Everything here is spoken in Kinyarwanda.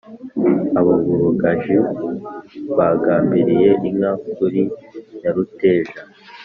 ababurugaji bagambiiriye inka kuri nyaruteja